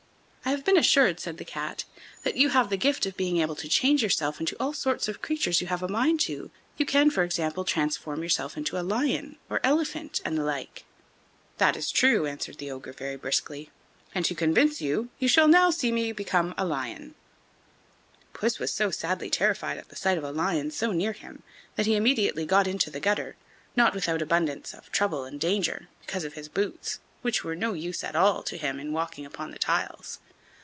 "I have been assured," said the Cat, "that you have the gift of being able to change yourself into all sorts of creatures you have a mind to; you can, for example, transform yourself into a lion, or elephant, and the like." "That is true," answered the ogre very briskly; "and to convince you, you shall see me now become a lion." Puss was so sadly terrified at the sight of a lion so near him that he immediately got into the gutter, not without abundance of trouble and danger, because of his boots, which were of no use at all to him in walking upon the tiles.